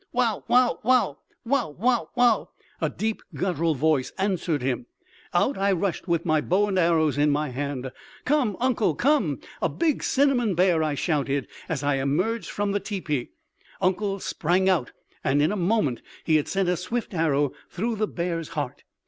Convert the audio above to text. "Wow, wow, wow! Wow, wow, wow!" A deep guttural voice answered him. Out I rushed with my bow and arrows in my hand. "Come, uncle, come! A big cinnamon bear!" I shouted as I emerged from the teepee. Uncle sprang out, and in a moment he had sent a swift arrow through the bear's heart.